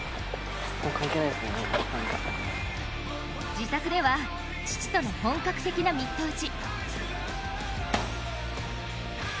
自宅では父との本格的なミット打ち。